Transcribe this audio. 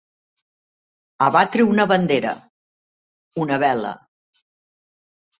Abatre una bandera, una vela.